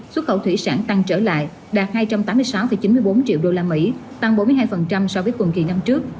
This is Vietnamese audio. xuất khẩu thủy sản tăng trở lại đạt hai trăm tám mươi sáu chín mươi bốn triệu usd tăng bốn mươi hai so với cùng kỳ năm trước